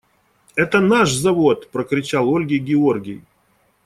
– Это наш завод! – прокричал Ольге Георгий.